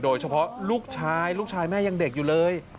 โดยเฉพาะลูกชายลูกชายแม่ยังเด็กอยู่เลย